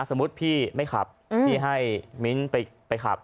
สมมุติพี่ไม่ขับพี่ให้มิ้นไปขับ